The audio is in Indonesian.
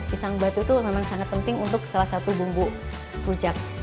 pisang batu itu memang sangat penting untuk salah satu bumbu rujak